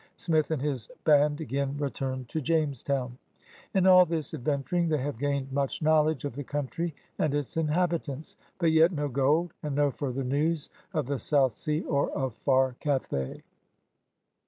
Smith and his band again return to Jamestown. In all this ad venturing they have gained much knowledge of the country and its inhabitants — but yet no gold, and no further news of the South Sea or of far Cathay.